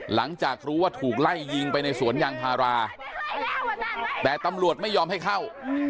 หลังจากรู้ว่าถูกไล่ยิงไปในสวนยางพาราแต่ตำรวจไม่ยอมให้เข้า